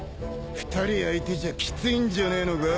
２人相手じゃきついんじゃねえのか？